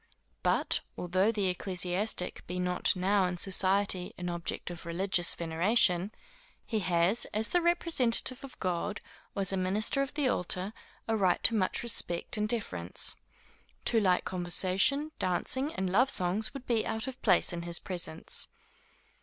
But, although the ecclesiastic be not now in society an object of religious veneration, he has, as the representative of God, or as a minister of the altar, a right to much respect and deference. Too light conversation, dancing and love songs, would be out of place in his presence.